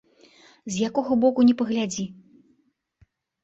З якога боку ні паглядзі.